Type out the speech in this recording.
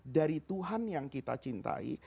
dari tuhan yang kita cintai